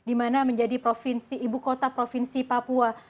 di mana menjadi ibu kota provinsi papua